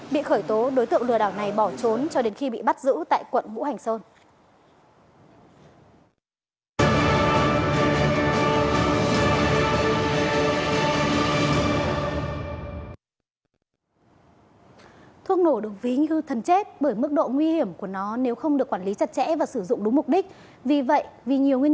bị khởi tố đối tượng lừa đảo này bỏ trốn cho đến khi bị bắt giữ tại quận ngũ hành sơn